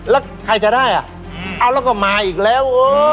แล้วใครจะได้อ่ะเอาแล้วก็มาอีกแล้ว